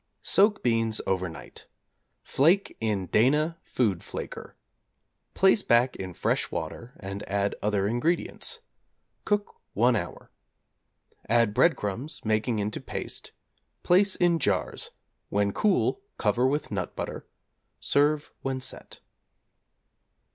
Soak beans over night; flake in Dana Food Flaker; place back in fresh water and add other ingredients; cook one hour; add breadcrumbs, making into paste; place in jars, when cool cover with nut butter; serve when set.